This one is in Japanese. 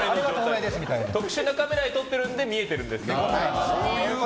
特殊なカメラで撮ってるので見えてるんですけど。